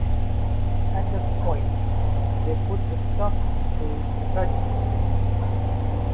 At that point, they put a stop to the project.